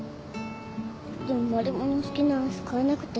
でもマルモの好きなアイス買えなくて。